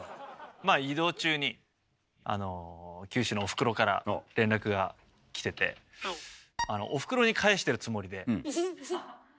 まあ移動中に九州のおふくろからの連絡が来てておふくろに返してるつもりで。